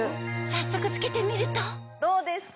早速着けてみるとどうですか？